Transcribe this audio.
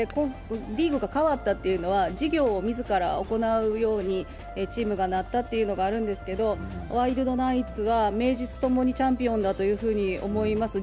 リーグが変わったというのは事業を自ら行うようにチームがなったというのがあるんですけど、ワイルドナイツは名実ともにチャンピオンだと思います。